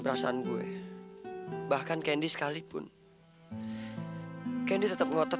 gara gara kamu nih kita jadi gak dapet duit